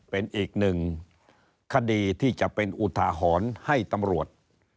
เป็นอีกหนึ่งคดีที่จะเป็นอุทาหรณ์ให้ตำรวจ